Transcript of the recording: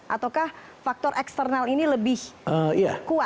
ataukah faktor eksternal ini lebih kuat